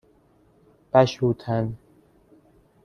بَشوتن